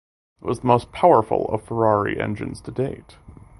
It was the most powerful of the Ferrari engines to date.